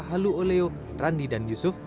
halo oleo randi dan yusuf